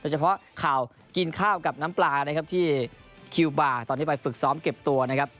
เฉพาะข่าวกินข้าวกับน้ำปลานะครับที่คิวบาร์ตอนนี้ไปฝึกซ้อมเก็บตัวนะครับ